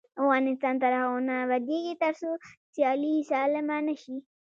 افغانستان تر هغو نه ابادیږي، ترڅو سیالي سالمه نشي.